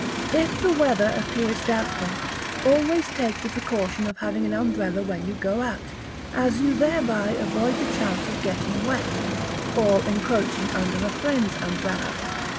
If the weather appears doubtful, always take the precaution of having an umbrella when you go out, as you thereby avoid the chance of getting wet or encroaching under a friend's umbrella.